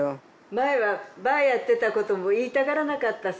前はバーやってたことも言いたがらなかったさ。